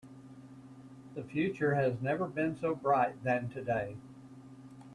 The future has never been so bright than today.